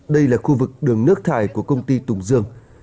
đây là khu vực đường nước thải của công ty tùng dương